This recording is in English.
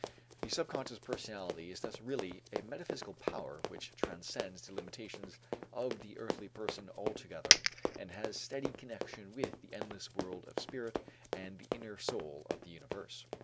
The subconscious personality is thus really a metaphysical power which transcends the limitations of the earthly person altogether and has steady connection with the endless world of spirit and the inner soul of the universe.